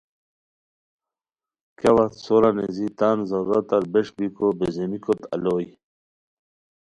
کیا وت سورہ نیزی تان ضرورتار بیس بیکو بیزیمیکوت الوئے